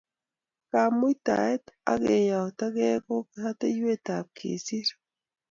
Kamuitaet ak keyoktogei ko yateiywotap kesir